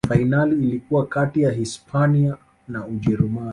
fainali ilikuwa kati ya hispania na ujerumani